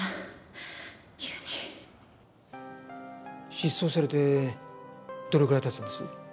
失踪されてどれぐらい経つんです？